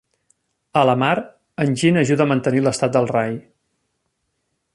A la mar, en Jin ajuda a mantenir l'estat del rai.